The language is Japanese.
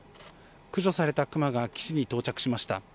駆除されたクマが岸に到着しました。